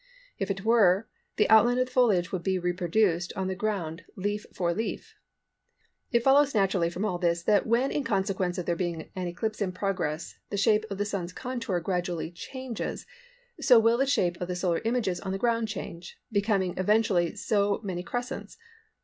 If it were, the outline of the foliage would be reproduced on the ground leaf for leaf. It follows naturally from all this that when in consequence of there being an eclipse in progress the shape of the Sun's contour gradually changes, so will the shape of the Solar images on the ground change, becoming eventually so many crescents.